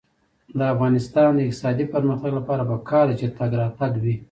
د افغانستان د اقتصادي پرمختګ لپاره پکار ده چې تګ راتګ وي.